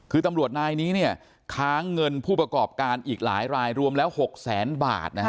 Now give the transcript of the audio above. คือตำรวจนายนี้ค้างเงินผู้ประกอบการอีกหลายรายรวมแล้ว๖๐๐๐๐๐บาท